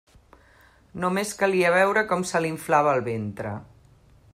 Només calia veure com se li inflava el ventre.